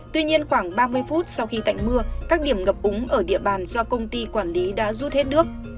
tuy nhiên khoảng ba mươi phút sau khi tạnh mưa các điểm ngập úng ở địa bàn do công ty quản lý đã rút hết nước